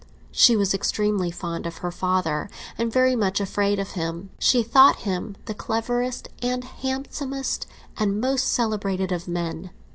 She was extremely fond of her father, and very much afraid of him; she thought him the cleverest and handsomest and most celebrated of men.